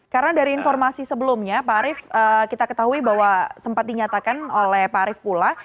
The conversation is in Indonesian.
karena dari informasi sebelumnya pak arief kita ketahui bahwa sempat dinyatakan oleh pak arief pula